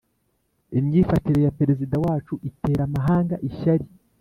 imyifatire ya Perezida wacu itera amahanga ishyari